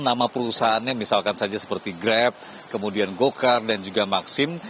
nama perusahaannya misalkan saja seperti grab kemudian gokar dan juga maxim